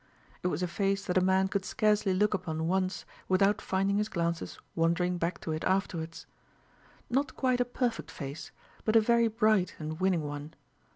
It was a face that a man could scarcely look upon once without finding his glances wandering back to it afterwards; not quite a perfect face, but a very bright and winning one.